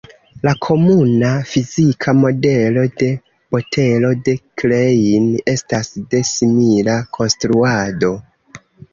La komuna fizika modelo de botelo de Klein estas de simila konstruado.